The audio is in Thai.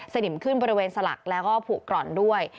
นิมขึ้นบริเวณสลักแล้วก็ผูกกร่อนด้วย